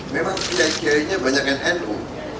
memang kiai kiainya banyak yang nu